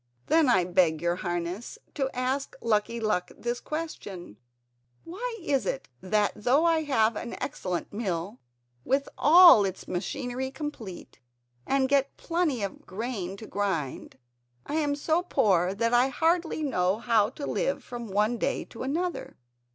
"Then I beg your Highness to ask Lucky Luck this question: Why is it that though I have an excellent mill, with all its machinery complete, and get plenty of grain to grind, I am so poor that I hardly know how to live from one day to another?"